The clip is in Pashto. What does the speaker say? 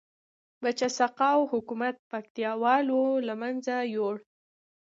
بچه سقاو حکومت پکتيا والو لمنځه یوړ